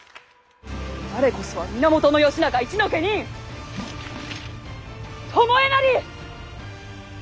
我こそは源義仲一の家人巴なり！